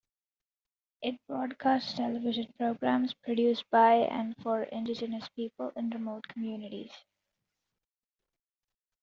It broadcasts television programs produced by, and for, indigenous people in remote communities.